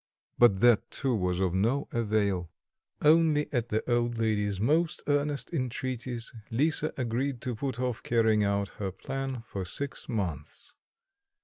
but that too was of no avail. Only at the old lady's most earnest entreaties Lisa agreed to put off carrying out her plan for six months.